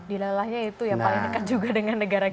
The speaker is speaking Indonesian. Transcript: di lelahnya itu yang paling dekat juga dengan negara kita